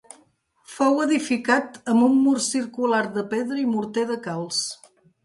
Fou edificat amb un mur circular de pedra i morter de calç.